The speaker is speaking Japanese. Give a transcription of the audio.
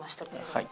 はい。